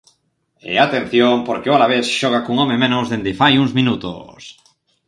E atención porque o Alavés xoga cun home menos dende fai uns minutos.